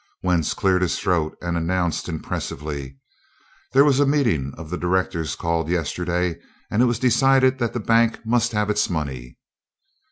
Wentz cleared his throat and announced impressively: "There was a meeting of the directors called yesterday and it was decided that the bank must have its money."